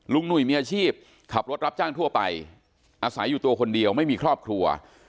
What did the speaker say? หนุ่ยมีอาชีพขับรถรับจ้างทั่วไปอาศัยอยู่ตัวคนเดียวไม่มีครอบครัว